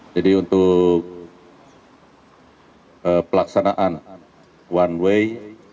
jadi untuk pelaksanaan one way